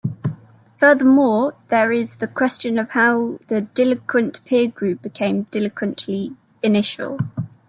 Furthermore there is the question of how the delinquent peer group became delinquent initially.